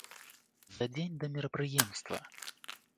За дзень да мерапрыемства!